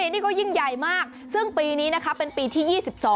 นี่ก็ยิ่งใหญ่มากซึ่งปีนี้นะคะเป็นปีที่๒๒